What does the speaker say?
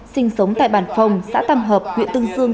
sinh sống tại bàn phòng xã tâm hợp huyện tương dương